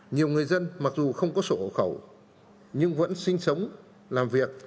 nhiều người dân mặc dù không có sổ hộ khẩu nhưng vẫn sinh sống làm việc